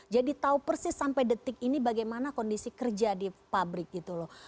jadi tahu persis sampai detik ini bagaimana kondisi kerja di pabrik gitu loh